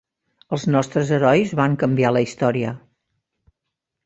Els nostres herois van canviar la història.